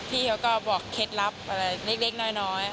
พี่เขาก็บอกเคล็ดลับอะไรเล็กน้อย